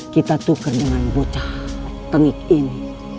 kita tukar dengan bocah tengik ini